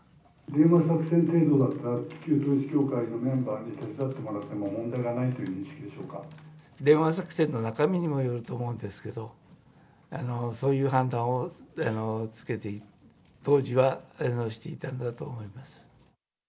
電話作戦程度だったら、旧統一教会のメンバーに手伝ってもらっても問題がないという認識電話作戦の中身にもよると思うんですけど、そういう判断をつけていく、当時はしていたんだと思います。